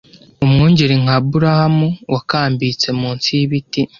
umwungeri nka aburahamu wakambitse munsi y'ibiti